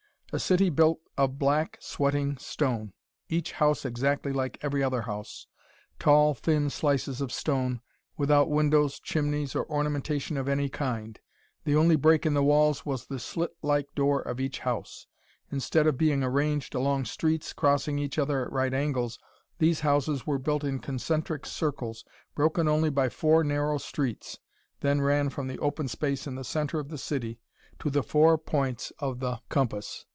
A city built of black, sweating stone, each house exactly like every other house: tall, thin slices of stone, without windows, chimneys or ornamentation of any kind. The only break in the walls was the slit like door of each house. Instead of being arranged along streets crossing each other at right angles, these houses were built in concentric circles broken only by four narrow streets then ran from the open space in the center of the city to the four points of the compass.